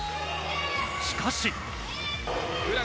しかし。